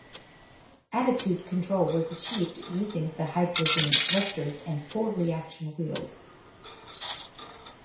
Attitude control was achieved using the hydrazine thrusters and four reaction wheels.